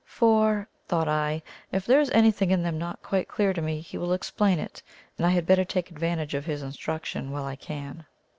"For," thought I, "if there is anything in them not quite clear to me, he will explain it, and I had better take advantage of his instruction while I can."